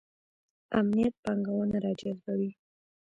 امنیت پانګونه راجذبوي